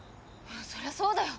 そりゃそうだよ！